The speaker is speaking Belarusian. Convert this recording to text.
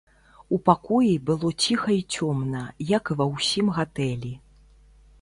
У пакоі было ціха і цёмна, як і ва ўсім гатэлі.